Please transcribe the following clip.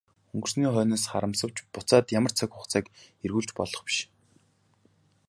Өнгөрсний хойноос харамсавч буцаад ямар цаг хугацааг эргүүлж болох биш.